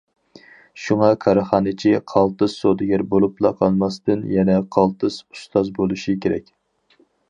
شۇڭا كارخانىچى قالتىس سودىگەر بولۇپلا قالماستىن، يەنە قالتىس ئۇستاز بولۇشى كېرەك.